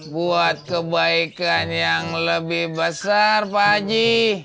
buat kebaikan yang lebih besar pak haji